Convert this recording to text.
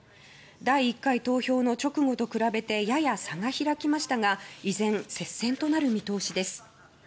第１回投票の直後と比べてやや差が開きましたが依然、接戦となる見通しです。